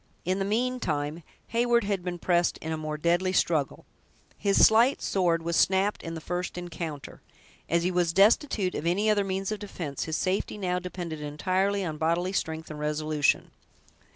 In the meantime, Heyward had been pressed in a more deadly struggle. His slight sword was snapped in the first encounter. As he was destitute of any other means of defense, his safety now depended entirely on bodily strength and resolution.